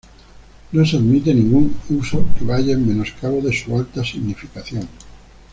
No se admite ningún uso que vaya en menoscabo de su alta significación.